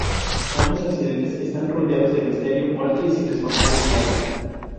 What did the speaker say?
Ambos accidentes están rodeados de misterio, muerte y sin responsables claros.